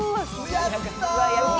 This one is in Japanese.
やったー！